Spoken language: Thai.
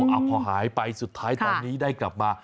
เอาพอหายไปสุดท้ายตอนนี้ได้กลับมา